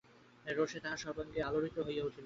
রোষে তাঁহার সর্বাঙ্গ আলোড়িত হইয়া উঠিল।